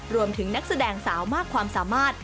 นักแสดงสาวมากความสามารถ